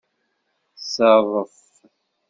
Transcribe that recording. Ṣerref.